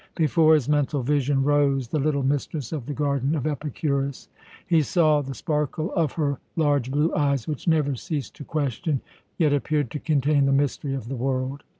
Before his mental vision rose the little mistress of the garden of Epicurus. He saw the sparkle of her large blue eyes, which never ceased to question, yet appeared to contain the mystery of the world.